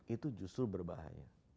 itu justru berbahaya